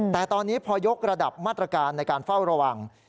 แต่ตอนนี้พอยกระดับมาตรการในการเฝ้าระวัง